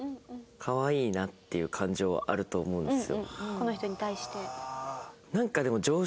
この人に対して。